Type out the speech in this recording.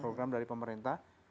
program dari pemerintah